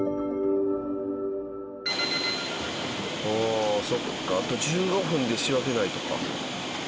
ああそっかあと１５分で仕分けないとか。